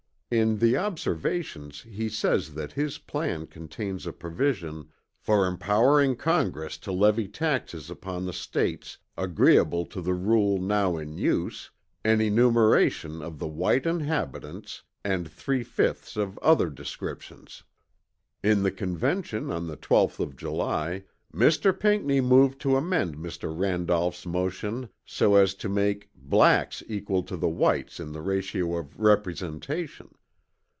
In the Observations he says that his plan contains a provision "for empowering Congress to levy taxes upon the States, agreeable to the rule now in use, an enumeration of the white inhabitants, and three fifths of other descriptions." In the Convention on the 12th of July, "Mr. Pinckney moved to amend Mr. Randolph's motion so as to make 'blacks equal to the whites in the ratio of representation.'